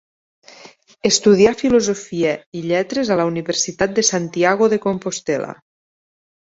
Estudià filosofia i lletres a la Universitat de Santiago de Compostel·la.